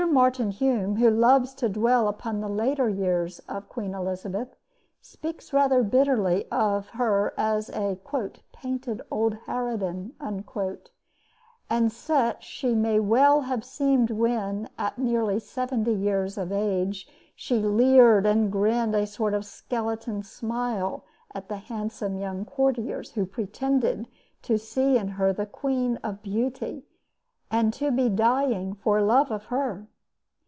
Martin Hume, who loves to dwell upon the later years of Queen Elizabeth, speaks rather bitterly of her as a "painted old harridan"; and such she may well have seemed when, at nearly seventy years of age, she leered and grinned a sort of skeleton smile at the handsome young courtiers who pretended to see in her the queen of beauty and to be dying for love of her.